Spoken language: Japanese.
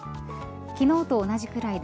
昨日と同じくらいで